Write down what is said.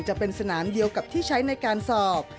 จะเป็นสนามเดียวกับที่ใช้ในการสอบ